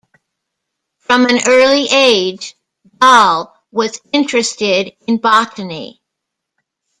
From an early age Dahl was interested in botany.